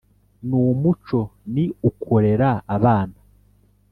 nu muco ni ukurera abana